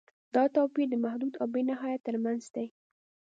دا توپیر د محدود او بې نهایت تر منځ دی.